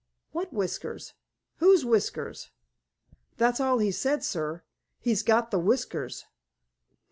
"What whiskers? Whose whiskers?" "That's all he said, sir—he'd got the whiskers."